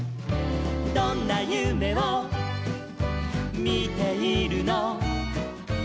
「どんなゆめをみているの」